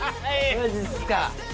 マジっすか。